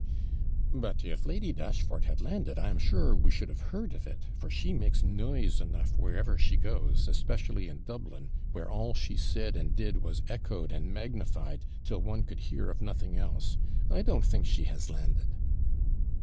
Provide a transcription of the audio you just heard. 'But if Lady Dashfort had landed I am sure we should have heard of it, for she makes noise enough wherever she goes; especially in Dublin, where all she said and did was echoed and magnified, till one could hear of nothing else. I don't think she has landed.'